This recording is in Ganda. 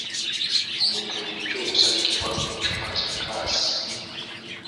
Omwenge bulijjo gusabikibwa mu ccupa za giraasi.